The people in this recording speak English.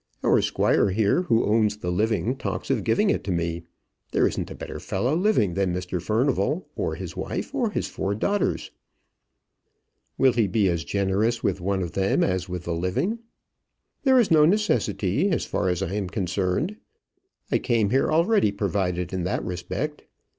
Our squire here, who owns the living, talks of giving it to me. There isn't a better fellow living than Mr Furnival, or his wife, or his four daughters." "Will he be as generous with one of them as with the living?" "There is no necessity, as far as I am concerned. I came here already provided in that respect.